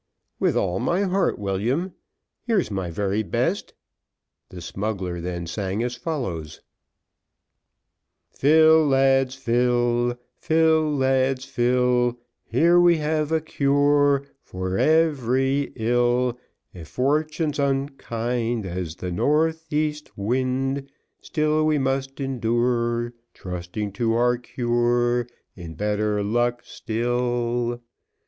"With all my heart, William; here's my very best." The smuggler then sang as follows: Fill, lads, fill; Fill, lads, fill. Here we have a cure For every ill. If fortune's unkind As the north east wind, Still we must endure, Trusting to our cure, In better luck still.